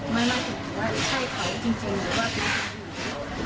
ไม่คิดว่าใช่เขาจริง